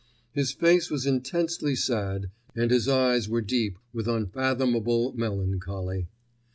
His face was intensely sad and his eyes were deep with unfathomable melancholy.